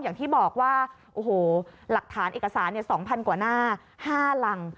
อย่างที่บอกว่าโอ้โหหลักฐานเอกสาร๒๐๐กว่าหน้า๕รัง